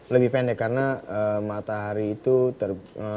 lebih pendek karena matahari itu ter